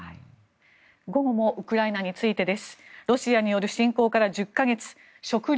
午後もウクライナについてです。